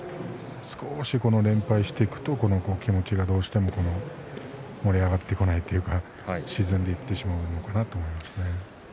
少し連敗していくと気持ちがどうしても盛り上がってこないというか沈んでいってしまうのかなと思いますね。